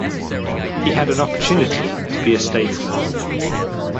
He had an opportunity to be a statesman.